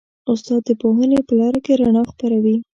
استاد د پوهنې په لاره کې رڼا خپروي.